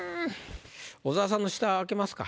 小沢さんの下開けますか。